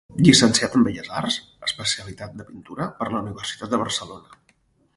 Llicenciat en Belles Arts, especialitat de pintura, per la Universitat de Barcelona.